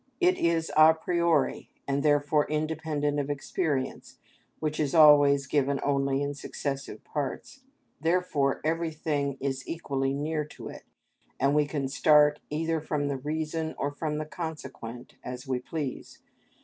It is a priori, and therefore independent of experience, which is always given only in successive parts; therefore everything is equally near to it, and we can start either from the reason or from the consequent, as we please.